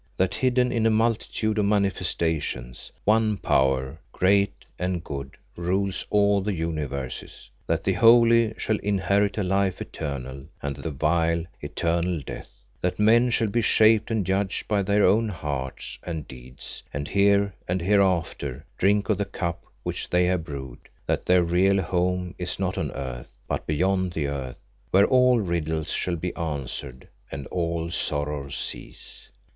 That hidden in a multitude of manifestations, one Power great and good, rules all the universes: that the holy shall inherit a life eternal and the vile, eternal death: that men shall be shaped and judged by their own hearts and deeds, and here and hereafter drink of the cup which they have brewed: that their real home is not on earth, but beyond the earth, where all riddles shall be answered and all sorrows cease.